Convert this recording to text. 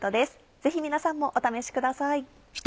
ぜひ皆さんもお試しください。